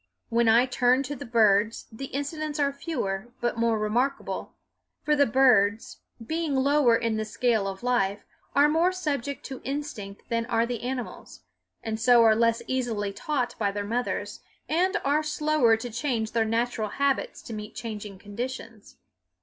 When I turn to the birds the incidents are fewer but more remarkable; for the birds, being lower in the scale of life, are more subject to instinct than are the animals, and so are less easily taught by their mothers, and are slower to change their natural habits to meet changing conditions.